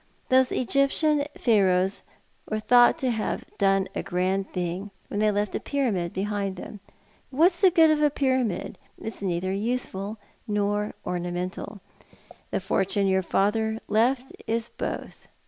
Those old Egyptian Pharaohs were thought to have done a grand thing when they left a pyramid behind them, but what's the good of a pyramid? It's neither useful nor ornamental. The fortune your father left is both.